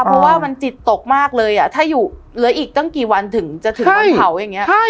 เพราะว่ามันจิตตกมากเลยถ้าอยู่เหลืออีกตั้งกี่วันถึงจะถึงวันเผาอย่างนี้